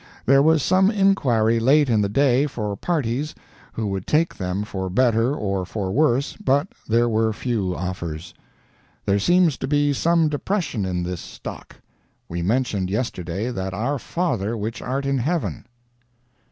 There was some inquiry late in the day for parties who would take them for better or for worse but there were few offers. There seems to be some depression in this stock. We mentioned yesterday that our Father which art in heaven.